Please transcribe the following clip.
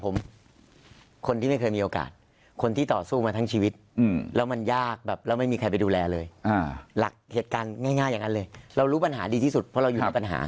ผมคนที่มีเครื่องโอกาสคนที่ต่อสู้มาทั้งชีวิตแล้วมันยากแบบแล้วไม่มีค่ะไปดูแลเลยอ่าหลักเหตุการณ์ง่ายเลยแล้วรู้ปัญหาดีที่สุดครับ